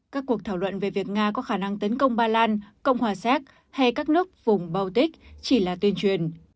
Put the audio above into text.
các cuộc thảo luận về việc nga có khả năng tấn công ba lan cộng hòa séc hay các nước vùng baotic chỉ là tuyên truyền